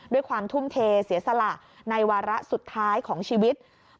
ด้วยความทุ่มเทเสียสละในวาระสุดท้ายของชีวิต